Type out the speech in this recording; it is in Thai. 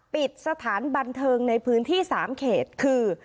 ปิดสถานบันเทิงในพื้นที่๓เขตคือ